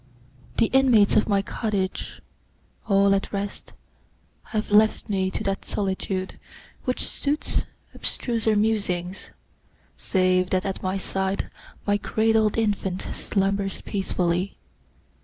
The inmates of my cottage, all at rest, Have left me to that solitude, which suits Abstruser musings: save that at my side My cradled infant slumbers peacefully.